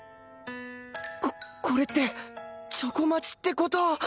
ここれってチョコ待ちって事？